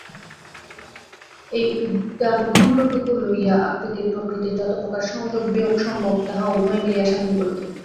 এই উদ্যানখণ্ডটুকু লইয়া আকৃতি প্রকৃতির যতপ্রকার সংযোগবিয়োগ সম্ভব, তাহা উভয়ে মিলিয়া সাধন করিত।